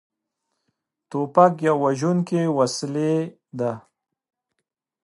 توپک یوه وژونکې وسلې ده.